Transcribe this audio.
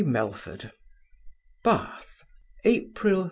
MELFORD BATH, April 30.